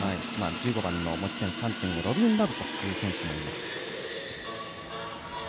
１５番の持ち点３．５ロビン・ラブという選手がいます。